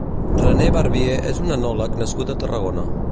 René Barbier és un enòleg nascut a Tarragona.